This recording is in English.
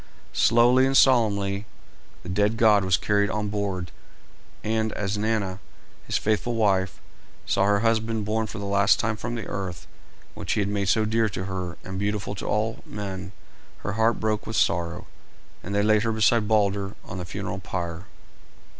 Slowly and solemnly the dead god was carried on board, and as Nanna, his faithful wife, saw her husband borne for the last time from the earth which he had made dear to her and beautiful to all men, her heart broke with sorrow, and they laid her beside Balder on the funeral pyre.